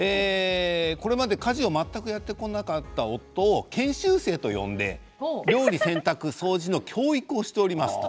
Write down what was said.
これまで家事を全くやってこなかった夫を研修生と呼んで料理、洗濯、掃除の教育をしております。